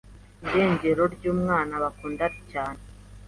irengero ry’umwana bakundaga cyane